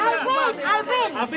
jebak siapa preti